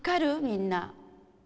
みんな。